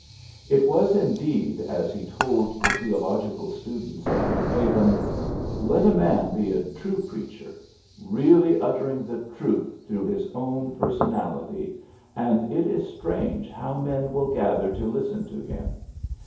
It was indeed as he told the theo logical students at New Haven: ^^Let a man be a true preacher, really utter ing the truth through his own personal ity, and it is strange how men will gather to listen to him.